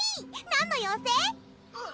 何の妖精？